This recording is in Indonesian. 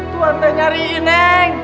tuan tuh nyariin neng